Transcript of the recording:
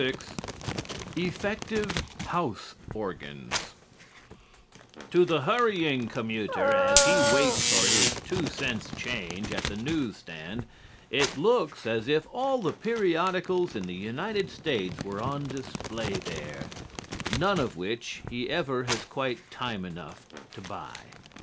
LVI "EFFECTIVE HOUSE ORGANS" To the hurrying commuter as he waits for his two cents change at the news stand it looks as if all the periodicals in the United States were on display there, none of which he ever has quite time enough to buy.